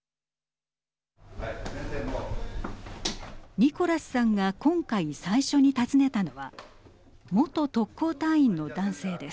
ニコラスさんが今回最初に訪ねたのは元特攻隊員の男性です。